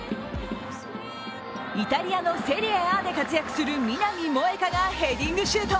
イタリアのセリエＡで活躍する南萌華がヘディングシュート。